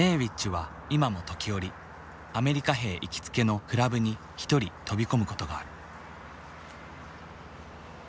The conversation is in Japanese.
Ａｗｉｃｈは今も時折アメリカ兵行きつけのクラブに一人飛び込むことがある。